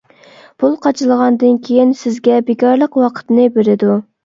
پۇل قاچىلىغاندىن كېيىن سىزگە بىكارلىق ۋاقىتنى بېرىدۇ.